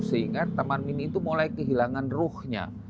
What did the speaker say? sehingga taman mini itu mulai kehilangan ruhnya